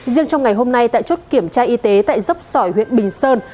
riêng trong ngày hôm nay tại chốt kiểm tra y tế tại dốc sỏi huyện bình sơn